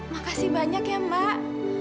makasih banyak ya mbak